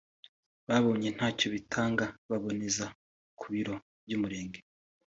babonye ntacyo bitanga baboneza ku biro by’Umurenge